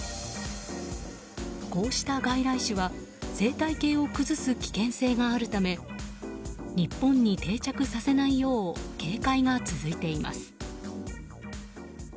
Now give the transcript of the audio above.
こうした外来種は生態系を崩す危険性があるため日本に定着させないよう警戒が続いています。